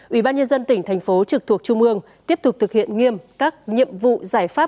ủy ban nhân dân tỉnh thành phố trực thuộc trung ương tiếp tục thực hiện nghiêm các nhiệm vụ giải pháp